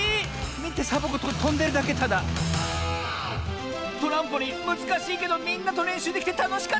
みてサボ子とんでるだけただトランポリンむずかしいけどみんなとれんしゅできてたのしかったわ！